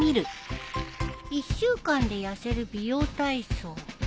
「１週間で痩せる美容体操」